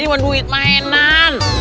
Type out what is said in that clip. ini mah duit mainan